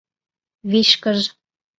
— Вичкыж.